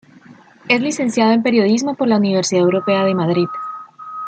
Es licenciado en periodismo por la Universidad Europea de Madrid.